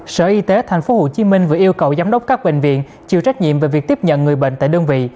sở y tế tp hcm vừa yêu cầu giám đốc các bệnh viện chịu trách nhiệm về việc tiếp nhận người bệnh tại đơn vị